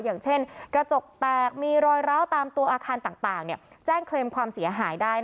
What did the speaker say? อย่างเช่นกระจกแตกมีรอยร้าวตามตัวอาคารต่างแจ้งเคลมความเสียหายได้